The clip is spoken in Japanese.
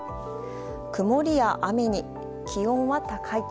曇りや雨に、気温は高い。